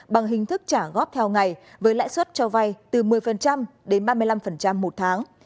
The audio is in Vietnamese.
bằng hình thức trả góp theo ngày với lãi suất cho vay từ một mươi đến ba mươi năm một tháng